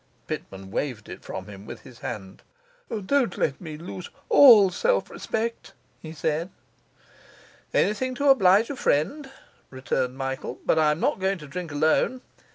Pitman waved it from him with his hand. 'Don't let me lose all self respect,' he said. 'Anything to oblige a friend,' returned Michael. 'But I'm not going to drink alone.